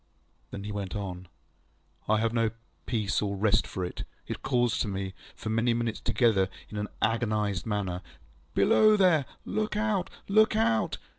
ŌĆØ Then he went on. ŌĆ£I have no peace or rest for it. It calls to me, for many minutes together, in an agonised manner, ŌĆśBelow there! Look out! Look out!